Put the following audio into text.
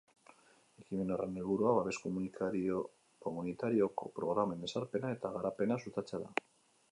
Ekimen horren helburua, babes komunitarioko programen ezarpena eta garapena sustatzea da.